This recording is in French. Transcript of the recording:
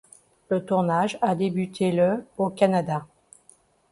Le tournage a débuté le au Canada.